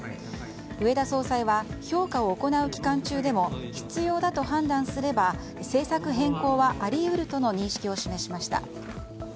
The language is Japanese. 植田総裁は評価を行う期間中でも必要だと判断すれば政策変更はあり得るとの認識を示しました。